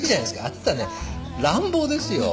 あなたね乱暴ですよ。